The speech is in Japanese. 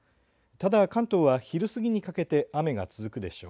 ただ、関東は昼過ぎにかけて雨が続くでしょう。